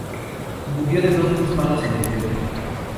Murió de dos disparos en el pecho.